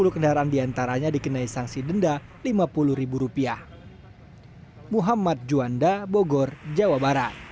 tujuh puluh kendaraan diantaranya dikenai sanksi denda rp lima puluh